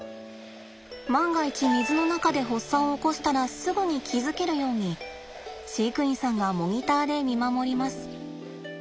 万が一水の中で発作を起こしたらすぐに気づけるように飼育員さんがモニターで見守ります。